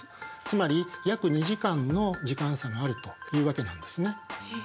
つまり約２時間の時間差があるというわけなんですね。